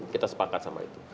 kita sepakat sama itu